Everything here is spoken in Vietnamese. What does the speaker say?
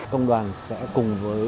công đoàn sẽ cùng với